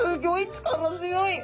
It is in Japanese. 力強い。